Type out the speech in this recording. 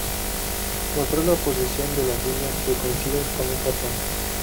Mostrar la posición de las líneas que coinciden con un patrón.